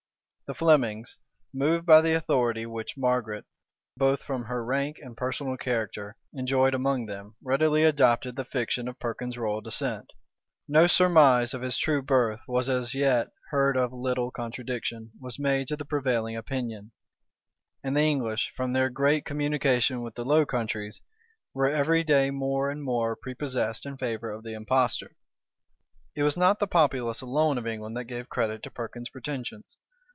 The Flemings, moved by the authority which Margaret, both from her rank and personal character, enjoyed among them, readily adopted the fiction of Perkin's royal descent: no surmise of his true birth was as yet heard of little contradiction was made to the prevailing opinion: and the English, from their great communication with the Low Countries, were every day more and more prepossessed in favor of the impostor. It was not the populace alone of England that gave credit to Perkin's pretensions.